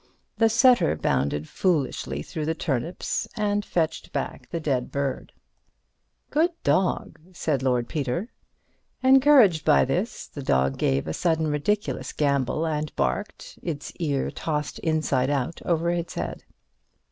The setter bounded foolishly through the turnips, and fetched back the dead bird. "Good dog," said Lord Peter. Encouraged by this, the dog gave a sudden ridiculous gambol and barked, its ear tossed inside out over its head.